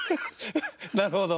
なるほど！